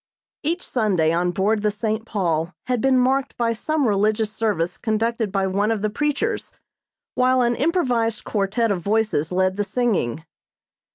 Each Sunday on board the "St. Paul" had been marked by some religious service conducted by one of the preachers, while an improvised quartet of voices led the singing.